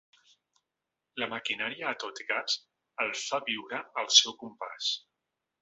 La maquinària a tot gas el fa viure al seu compàs.